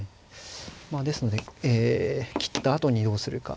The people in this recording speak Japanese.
まあですので切ったあとにどうするか。